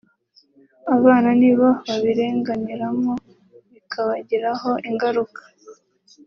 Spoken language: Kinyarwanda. abana nibo babirenganiramo bikabagiraho ingaruka